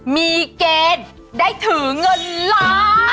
มีเกณฑ์ได้ถือเงินล้าน